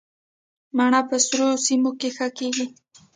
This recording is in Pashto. مڼه په سړو سیمو کې ښه کیږي